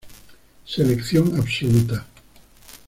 Selección absoluta.